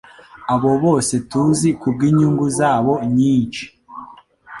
abo bose tuzi kubwinyungu zabo nyinshi